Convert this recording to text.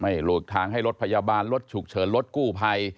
หลบทางให้รถพยาบาลรถฉุกเฉินรถกู้ภัย